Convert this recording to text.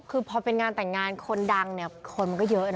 คือพอเป็นงานแต่งงานคนดังเนี่ยคนมันก็เยอะนะ